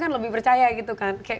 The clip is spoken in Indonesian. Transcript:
kan lebih percaya gitu kan